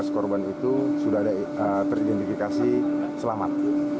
lima belas korban itu sudah teridentifikasi selamat